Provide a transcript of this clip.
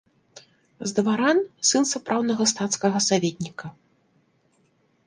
З дваран, сын сапраўднага стацкага саветніка.